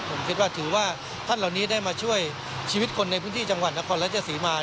ผมคิดว่าถือว่าท่านเหล่านี้ได้มาช่วยชีวิตคนในพื้นที่จังหวัดนครราชสีมา